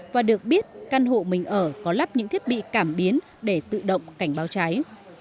và được biết căn hộ mình ở có lắp những thiết bị cảm biến để tự động cảnh báo cháy